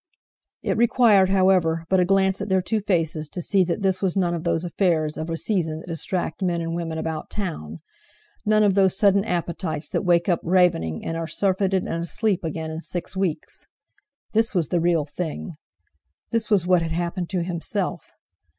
It required, however, but a glance at their two faces to see that this was none of those affairs of a season that distract men and women about town; none of those sudden appetites that wake up ravening, and are surfeited and asleep again in six weeks. This was the real thing! This was what had happened to himself!